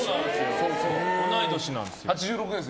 同い年なんです。